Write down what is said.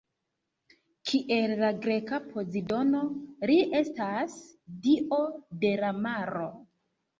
Kiel la greka Pozidono, li estas dio de la maro.